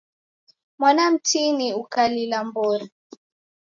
Mwana mtini ukalila mbori.